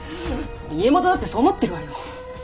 家元だってそう思ってるわよ。